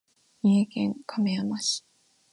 三重県亀山市